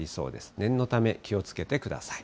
念のため、気をつけてください。